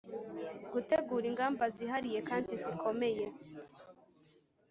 gutegura ingamba zihariye kandi zikomeye